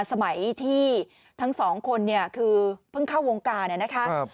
สมัยที่ทั้งสองคนคือเพิ่งเข้าวงกานะคะ